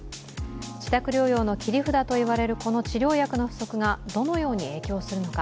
自宅療養の切り札といわれるこの治療薬の不足がどのように影響するのか。